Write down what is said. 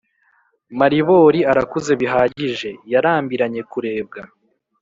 maribori arakuze bihagije yarambiranye kurebwa